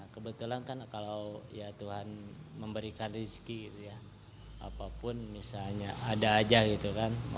kebetulan kan kalau tuhan memberikan rezeki gitu ya apapun misalnya ada aja gitu kan